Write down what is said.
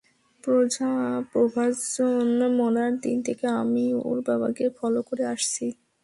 প্রভাঞ্জন মরার দিন থেকে আমি ওর বাবাকে ফলো করে আসছি।